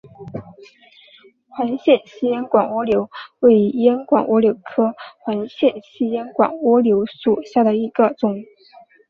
环线细烟管蜗牛为烟管蜗牛科环线细烟管蜗牛属下的一个种。